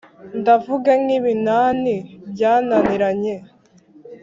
Ndavuga nk,ibinani byananiranye